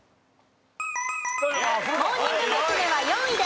モーニング娘。は４位です。